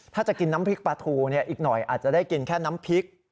ถ้าจะกินน้ำพริกปลาทูอีกหน่อยอาจจะได้กินแค่น้ำพริก